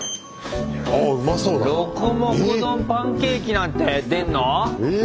ロコモコ丼パンケーキなんて出んの？